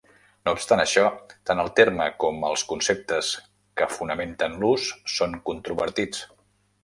No obstant això, tant el terme com els conceptes que fonamenten l'ús són controvertits.